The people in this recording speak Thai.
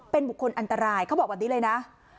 เป็นบุคคลอันตรายเขาบอกแบบนี้เลยนะ